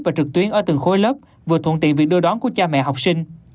và trực tuyến ở từng khối lớp vừa thuận tiện việc đưa đón của cha mẹ học sinh